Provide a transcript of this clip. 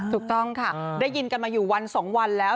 ถูกต้องค่ะได้ยินกันมาอยู่วัน๒วันแล้ว